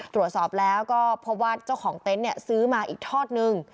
ตรวจสอบแล้วก็พบว่าเจ้าของเต็นต์ซื้อมาอีกทอดนึง